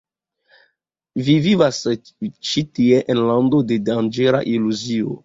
Vi vivas ĉi tie en lando de danĝera iluzio.